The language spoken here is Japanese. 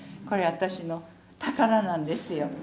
これ私の宝なんですよ。